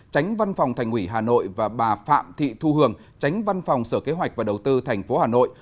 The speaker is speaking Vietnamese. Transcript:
tránh văn phòng thành ủy hà nội và bà phạm thị thu hường tránh văn phòng sở kế hoạch và đầu tư tp hà nội